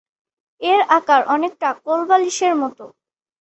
এর আকার অনেকটা কোল বালিশের মতো।